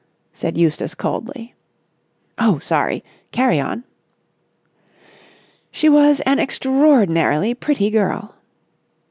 said Eustace coldly. "Oh, sorry! Carry on." "She was an extraordinarily pretty girl...."